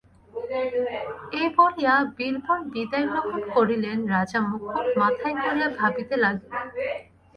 এই বলিয়া বিল্বন বিদায় গ্রহণ করিলেন, রাজা মুকুট মাথায় করিয়া ভাবিতে লাগিলেন।